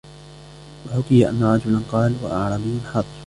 وَحُكِيَ أَنَّ رَجُلًا قَالَ وَأَعْرَابِيٌّ حَاضِرٌ